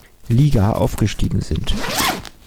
Liga aufgestiegen sind.